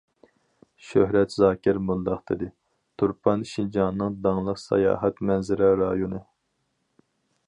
شۆھرەت زاكىر مۇنداق دېدى: تۇرپان شىنجاڭنىڭ داڭلىق ساياھەت مەنزىرە رايونى.